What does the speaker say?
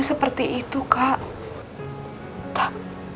seperti itu kak